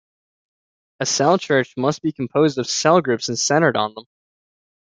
A cell church must be composed of cell groups and centered on them.